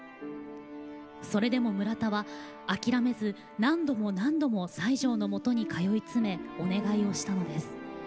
それでも村田は諦めず何度も何度も西條のもとに通い詰めお願いをしたのです。